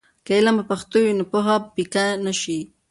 که علم په پښتو وي، نو پوهه پیکه نه شي.